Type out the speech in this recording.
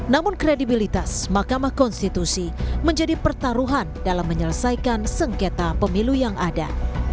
namun kredibilitas mahkamah konstitusi menjadi pertaruhan dalam menyelesaikan sengketa pemilu yang ada